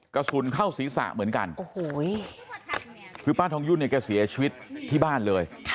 กระสุนเข้าศีรษะเหมือนกันโอ้โหคือป้าทองยุ่นเนี่ยแกเสียชีวิตที่บ้านเลย